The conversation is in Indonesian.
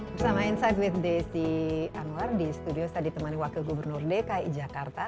bersama insight with desi anwar di studio saya ditemani wakil gubernur dki jakarta